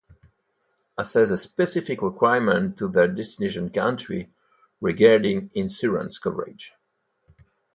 Furthermore, tourists should assess the specific requirements of their destination country regarding insurance coverage.